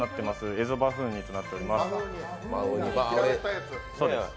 エゾバフンウニとなっています。